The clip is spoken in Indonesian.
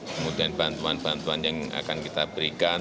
kemudian bantuan bantuan yang akan kita berikan